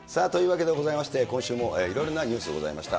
というわけでございまして、今週もいろいろなニュースがございました。